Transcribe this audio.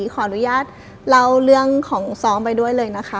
ขออนุญาตเล่าเรื่องของซ้อมไปด้วยเลยนะคะ